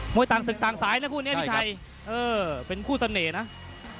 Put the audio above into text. มวยต่างสึกต่างสายนะคู่นี้พี่ชัยเป็นผู้เสน่ห์นะใช่ครับ